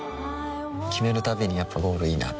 決めるたびにやっぱゴールいいなってふん